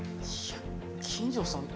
金城さん。